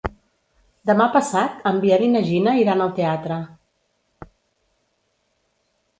Demà passat en Biel i na Gina iran al teatre.